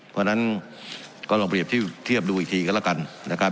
เพราะฉะนั้นก็ลองเปรียบเทียบดูอีกทีก็แล้วกันนะครับ